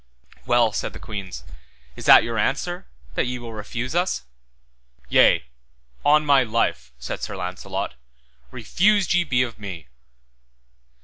Well, said the queens, is this your answer, that ye will refuse us. Yea, on my life, said Sir Launcelot, refused ye be of me.